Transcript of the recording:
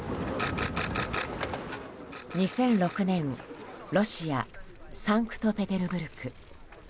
２００６年ロシア・サンクトペテルブルク。